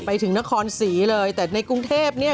ไปถึงนครสีเลยแต่ในกรุงเทพก็มี